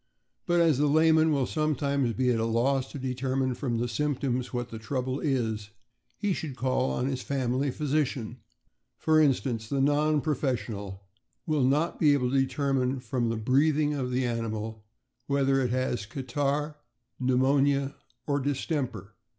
But as the layman will sometimes be at a loss to deter mine from the symptoms what the trouble is, he should call on his family physician. For instance, the non profes sional will not be able to determine from the breathing of the animal whether it has catarrh, pneumonia, or distemper.